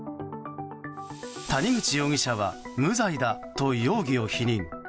谷口容疑者は無罪だと容疑を否認。